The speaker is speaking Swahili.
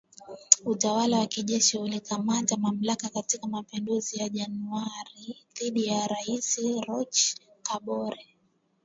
Utawala wa kijeshi ulikamata mamlaka katika mapinduzi ya Januari dhidi ya Rais Roch Kabore.